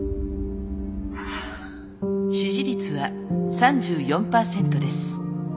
支持率は３４％です。